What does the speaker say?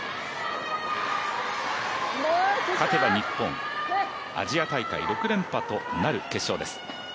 勝てば日本、アジア大会６連覇となる決勝です。